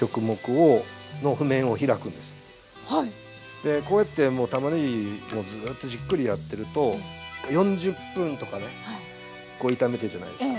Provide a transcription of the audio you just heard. でこうやってたまねぎをずっとじっくりやってると４０分とか炒めてるじゃないですか。